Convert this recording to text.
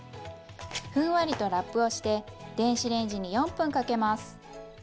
ふんわりとラップをして電子レンジに４分かけます。